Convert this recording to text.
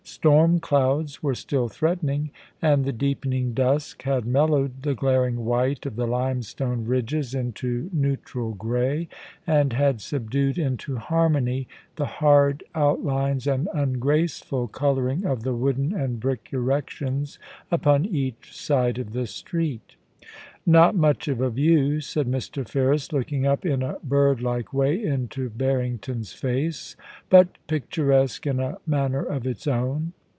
Storm clouds were still threatening, and the deepening dusk had mellowed the glaring white of the limestone ridges into neutral grey, and had subdued into harmony the hard out lines and ungraceful colouring of the wooden and brick erections upon each side of the street * Not much of a view,' said Mr. Ferris, looking up in a bird like way into Harrington's face ;* but picturesque in a manner of its own.'